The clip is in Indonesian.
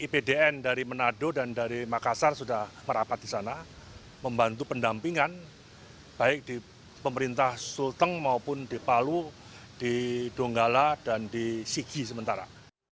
ipdn dari manado dan dari makassar sudah merapat di sana membantu pendampingan baik di pemerintah sulteng maupun di palu di donggala dan di sigi sementara